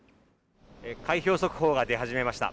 開票速報が出始めました。